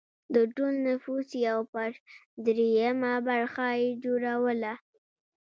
د ټول نفوس یو پر درېیمه برخه یې جوړوله.